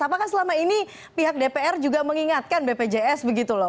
apakah selama ini pihak dpr juga mengingatkan bpjs begitu loh